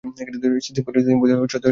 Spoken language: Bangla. সিসিমপুরের শোতে আপনাদের স্বাগতম!